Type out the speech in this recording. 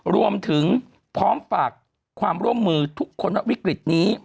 รวมถึงพร้อมฝากความร่วมมือทุกคนว่าวิกฤตนี้